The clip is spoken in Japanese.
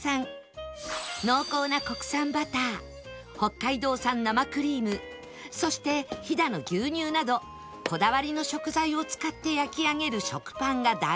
濃厚な国産バター北海道産生クリームそして飛騨の牛乳などこだわりの食材を使って焼き上げる食パンが大人気